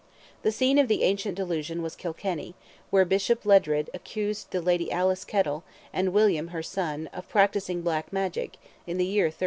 The scene of the ancient delusion was Kilkenny, where Bishop Ledred accused the Lady Alice Kettel, and William her son, of practising black magic, in the year 1327.